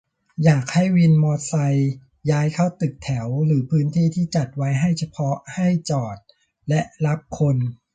อยากให้วินมอไซค์ย้ายเข้าตึกแถวหรือพื้นที่ที่จัดไว้เฉพาะให้จอดและรับคน